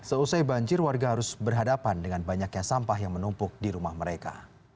seusai banjir warga harus berhadapan dengan banyaknya sampah yang menumpuk di rumah mereka